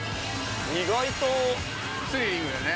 ◆意外とスリリングだよね。